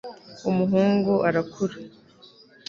umuhungu arakura